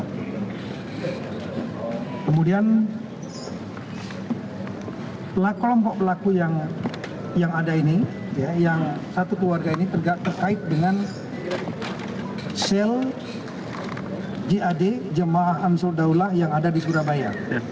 kemudian kelompok pelaku yang ada ini yang satu keluarga ini tegak terkait dengan sel jad jemaah ansarudaulat yang ada di surabaya